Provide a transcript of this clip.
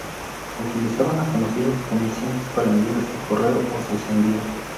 Utilizaban a conocidos o comerciantes para enviar su correo o sus envíos.